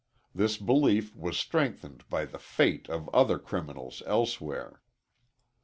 This belief was strengthened by the fate of other criminals elsewhere.